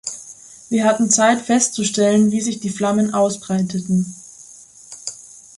Wir hatten Zeit, festzustellen, wie sich die Flammen ausbreiteten.